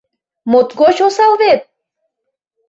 Моткоч осал вет!